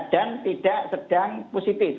dan tidak sedang positif